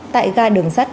tại ga đường sắt